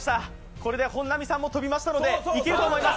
これで本並さんも飛びましたので、いけると思います。